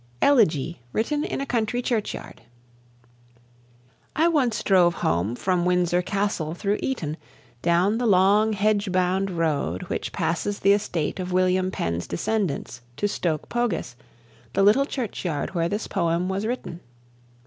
"Elegy Written in a Country Churchyard" (Gray, 1716 71). I once drove from Windsor Castle through Eton, down the long hedge bound road which passes the estate of William Penn's descendants to Stoke Pogis, the little churchyard where this poem was written.